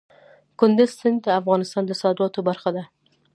کندز سیند د افغانستان د صادراتو برخه ده.